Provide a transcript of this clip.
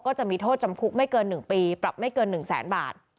จะมีโทษจำคุกไม่เกิน๑ปีปรับไม่เกิน๑แสนบาท